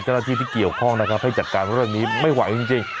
เจ้าหน้าที่ที่เกี่ยวข้องนะครับให้จัดการเรื่องนี้ไม่ไหวจริง